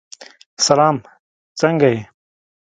سلام! څنګه یې؟